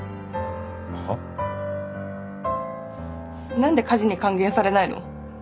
なんで家事に還元されないの？